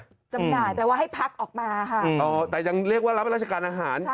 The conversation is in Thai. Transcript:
จำหน่ายแปลว่าให้พักออกมาค่ะแต่ยังเรียกว่ารับราชการอาหาร